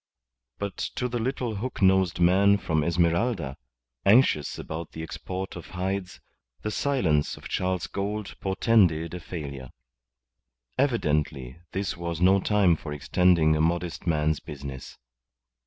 But to the little hook nosed man from Esmeralda, anxious about the export of hides, the silence of Charles Gould portended a failure. Evidently this was no time for extending a modest man's business.